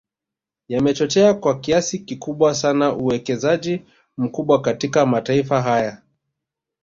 Yamechochea kwa kiasi kikubwa sana uwekezaji mkubwa katika mataifa haya